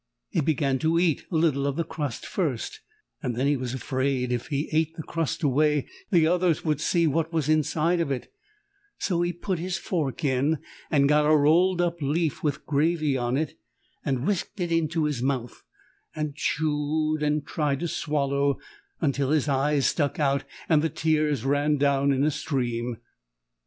He began to eat a little of the crust first, and then he was afraid if he ate the crust away the others would see what was inside of it, so he put his fork in and got a rolled up leaf with gravy on it and whisked it into his mouth and chewed and tried to swallow till his eyes stuck out and the tears ran down in a stream.